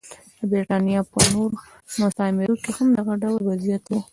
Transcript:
د برېټانیا په نورو مستعمرو کې هم دغه ډول وضعیت و.